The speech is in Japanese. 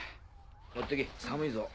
持ってけ寒いぞ。